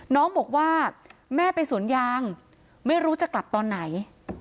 น้องบอกว่าแม่ไปสวนยางไม่รู้จะกลับตอนไหน